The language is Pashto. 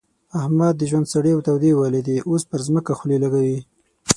احمد د ژوند سړې او تودې وليدې؛ اوس پر ځمکه خولې لګوي.